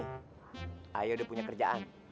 haye udah punya kerjaan